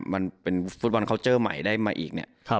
มันเป็นฟุตบอลคาวเจอร์ใหม่ได้มาอีก